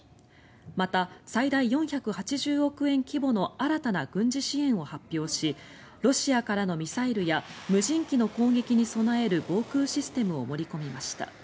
また、最大４８０億円規模の新たな軍事支援を発表しロシアからのミサイルや無人機の攻撃に備える防空システムを盛り込みました。